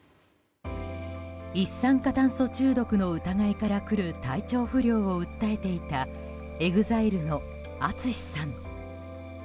一酸化炭素中毒の疑いから来る体調不良を訴えていたＥＸＩＬＥのＡＴＳＵＳＨＩさん。